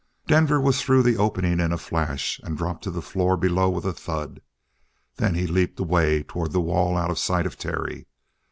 Denver was through the opening in a flash and dropped to the floor below with a thud. Then he leaped away toward the wall out of sight of Terry.